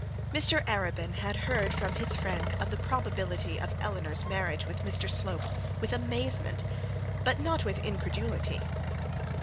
Mr Arabin had heard from his friend of the probability of Eleanor's marriage with Mr Slope with amazement, but not with incredulity.